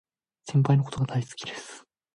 先輩のことが大好きです